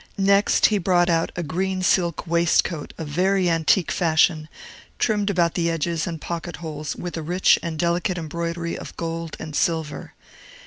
Next, he brought out a green silk waistcoat of very antique fashion, trimmed about the edges and pocket holes with a rich and delicate embroidery of gold and silver.